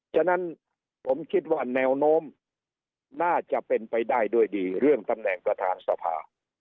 ฉะนั้นผมคิดว่าแนวโน้มน่าจะเป็นไปได้ด้วยดีเรื่องตำแหน่งประธานสภา